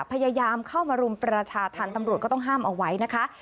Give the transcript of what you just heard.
พยายามเข้ามารุมประชาธรรมตำรวจก็ต้องห้ามเอาไว้นะคะ